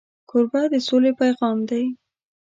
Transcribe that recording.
کوربه د سولې پیغام دی.